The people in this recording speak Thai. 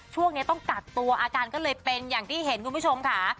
ช่วงนี้ต้องกักตัวอาการก็เลยเป็นอย่างที่เห็นคุณผู้ชมค่ะ